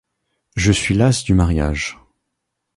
Je suis las du mariage.